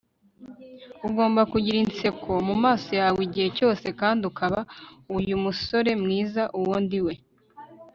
ugomba kugira inseko mumaso yawe igihe cyose kandi ukaba uyu musore mwiza - uwo ndiwe